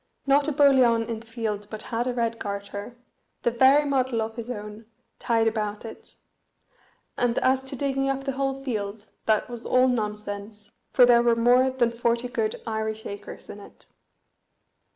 not a boliaun in the field but had a red garter, the very model of his own, tied about it; and as to digging up the whole field, that was all nonsense, for there were more than forty good Irish acres in it.